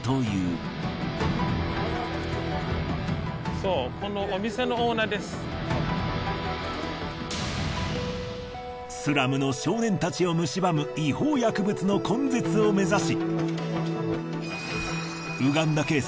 そうこのスラムの少年たちをむしばむ違法薬物の根絶を目指し。